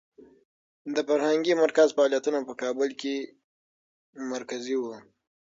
د فرهنګي مرکز فعالیتونه په کابل کې مرکزي و.